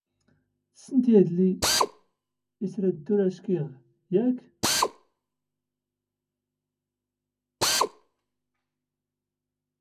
ⵀⴰⵜ ⵉ ⵜⵙⵙⵏⴷ ⵎⴰⵙ ⵔⴰⴷ ⴷ ⵓⵔ ⴰⴹⵓⵖ, ⵏⵖ ⴷ ⵓⵀⵓ?